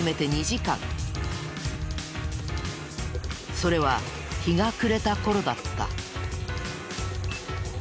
それは日が暮れた頃だった。